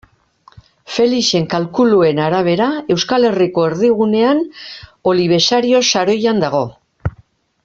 Felixen kalkuluen arabera, Euskal Herriko erdigunean Olibesario saroian dago.